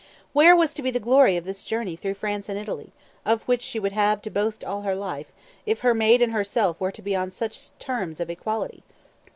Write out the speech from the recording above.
Where was to be the glory of this journey through France and Italy, of which she would have to boast all her life, if her maid and herself were to be on such terms of equality?